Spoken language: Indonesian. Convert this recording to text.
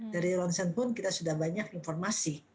dari ronsen pun kita sudah banyak informasi